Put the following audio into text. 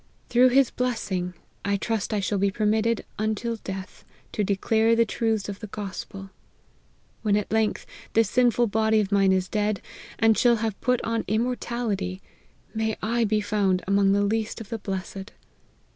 Through his blessing, I trust I shell be permitted, until death, to declare the truths of the gospel. When, at length, this sinful body of mine is dead, and shall have put on im mortality, may I be found among the least of the blessed